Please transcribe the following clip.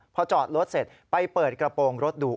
พอจอดรถเสร็จไปเปิดกระโปรงรถดู